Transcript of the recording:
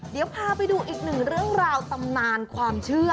เดี๋ยวพาไปดูอีกหนึ่งเรื่องราวตำนานความเชื่อ